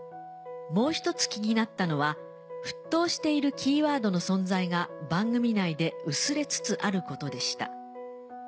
もう一つ気になったのは沸騰しているキーワードの存在が番組内で薄れつつあることでした。